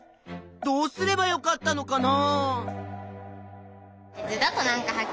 どうすればよかったのかな？